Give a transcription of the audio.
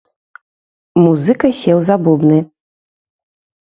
Музыка сеў за бубны.